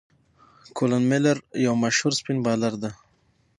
کولن میلیر یو مشهور سپېن بالر دئ.